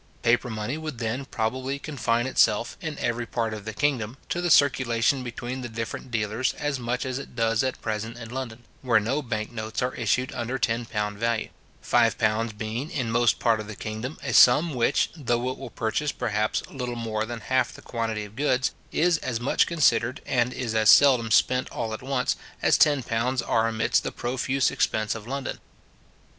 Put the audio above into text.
Paper money would then, probably, confine itself, in every part of the kingdom, to the circulation between the different dealers, as much as it does at present in London, where no bank notes are issued under £10 value; £5 being, in most part of the kingdom, a sum which, though it will purchase, perhaps, little more than half the quantity of goods, is as much considered, and is as seldom spent all at once, as £10 are amidst the profuse expense of London.